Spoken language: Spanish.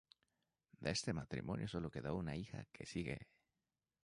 De este matrimonio solo quedó una hija, que sigue.